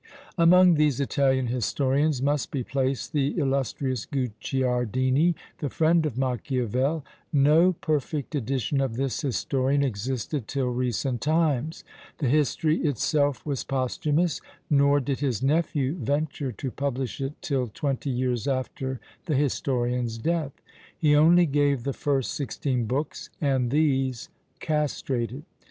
Among these Italian historians must be placed the illustrious Guicciardini, the friend of Machiavel. No perfect edition of this historian existed till recent times. The history itself was posthumous; nor did his nephew venture to publish it till twenty years after the historian's death. He only gave the first sixteen books, and these castrated.